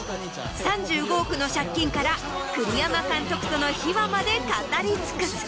３５億の借金から栗山監督との秘話まで語り尽くす。